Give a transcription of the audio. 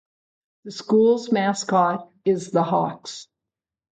The schools Mascot is the Hawks.